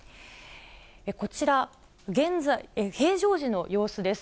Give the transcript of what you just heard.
こちら、平常時の様子です。